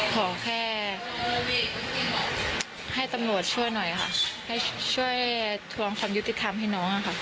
ขอแค่ให้ตำรวจช่วยหน่อยค่ะให้ช่วยทวงความยุติธรรมให้น้องค่ะ